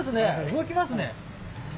動きますね。